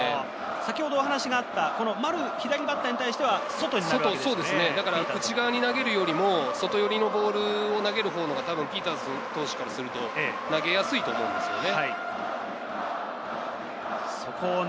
先ほどお話があった丸、内側に投げるよりも外寄りのボールを投げるほうがピーターズ投手からすると投げやすいと思うんですよね。